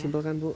simpel kan bu